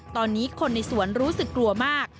ตอนนี้คนในสวนรู้สึกกลัวมาก